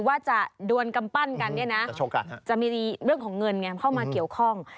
ว่าจะดวนกำปั้นกันเนี่ยนะจะมีเรื่องของเงินไงเข้ามาเกี่ยวข้อง